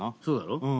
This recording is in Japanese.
そうだろ？